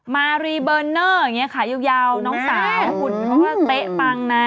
มารีเบอร์เนอร์อย่างนี้ขายาวน้องสาวหุ่นเขาก็เป๊ะปังนะ